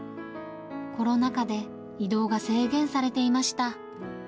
コロナ禍で移動が制限されていました。